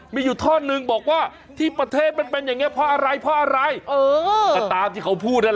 มีอยู่ท่อนหนึ่งบอกว่าที่ประเทศเป็นอย่างนี้เพราะอะไรเพราะอะไร